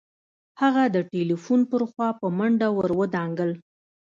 هغه د ټليفون پر خوا په منډه ور ودانګل.